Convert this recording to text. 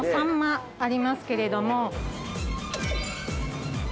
ありますけれども。